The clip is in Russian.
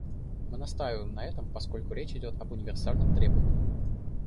Мы настаиваем на этом, поскольку речь идет об универсальном требовании.